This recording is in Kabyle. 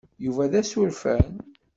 Yuba d asurfan.